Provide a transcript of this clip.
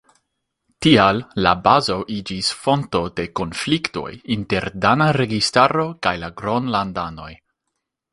Tial la bazo iĝis fonto de konfliktoj inter dana registaro kaj la Gronlandanoj.